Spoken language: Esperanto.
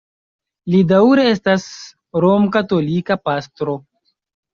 Li daŭre estas romkatolika pastro.